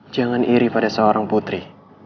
jangan iri pada seorang putri